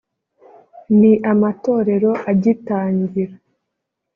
ni amatorero agitangira